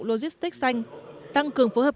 logistics xanh tăng cường phối hợp